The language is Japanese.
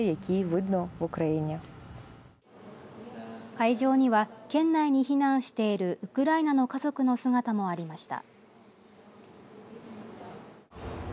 会場には県内に避難しているウクライナの家族の姿もありました。